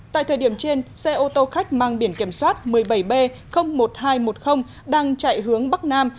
tại thời điểm trên xe ô tô khách mang biển kiểm soát một mươi bảy b một trăm hai mươi một đang chạy hướng bắc nam